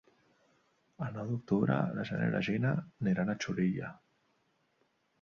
El nou d'octubre na Jana i na Gina aniran a Xulilla.